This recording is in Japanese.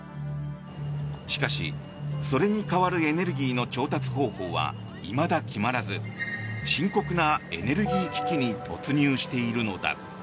しかし、それに代わるエネルギーの調達方法はいまだ決まらず深刻なエネルギー危機に突入しているのだ。